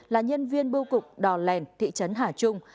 là nhân viên bưu cục đò lèn thị trấn hà trung